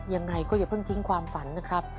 ยังไงก็อย่าเพิ่งทิ้งความฝันนะครับ